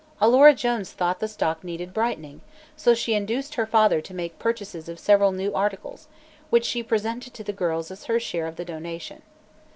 Alora Jones thought the stock needed "brightening," so she induced her father to make purchases of several new articles, which she presented the girls as her share of the donations.